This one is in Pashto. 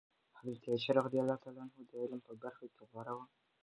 حضرت عایشه رضي الله عنها د علم په برخه کې غوره وه.